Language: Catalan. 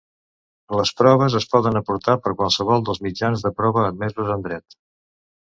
Les proves es poden aportar per qualsevol dels mitjans de prova admesos en dret.